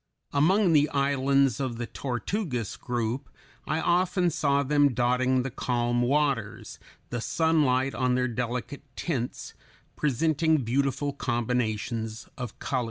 Among the islands of the Tortugas group I often saw them dotting the calm waters, the sunlight on their delicate tints presenting beautiful combinations of colors.